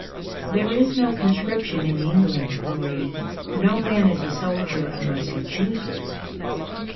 'There is no conscription in England, Marie. No man is a soldier unless he chooses.'